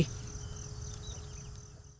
trên đêm sáng trăng